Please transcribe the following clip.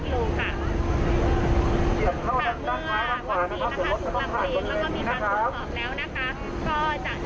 ก็จะนำไปเก็บตัวอย่างวัคซีนบางส่วนนะคะ